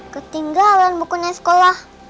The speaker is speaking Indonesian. ketinggalan bukunnya sekolah